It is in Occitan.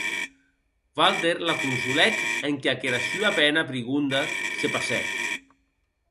Walter la consolèc enquia qu’era sua pena prigonda se passèc.